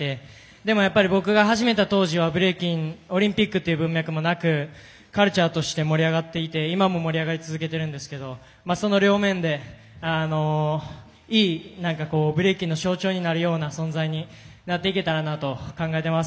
でもやっぱり、僕が始めた当時はブレイキン、オリンピックという文脈もなくカルチャーとして盛り上がっていて今も盛り上がり続けてるんですがその両面でいいブレイキンの象徴になるような存在になっていけたらなと考えています。